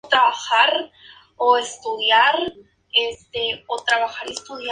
Desembarcado, fue llamado a la Biblioteca Nacional, donde conoció a Francisco Antonio Encina.